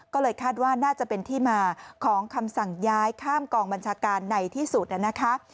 ก็เลยคาดว่าน่าจะเป็นที่มาของคำสั่งย้ายข้ามกองบัญชาการในที่สุดนะคะ